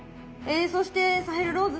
そしてサヘル・ローズ様。